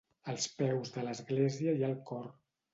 Als peus de l'església hi ha el cor.